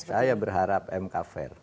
saya berharap mk fair